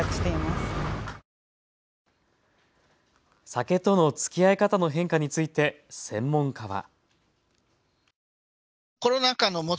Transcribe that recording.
酒とのつきあい方の変化について専門家は。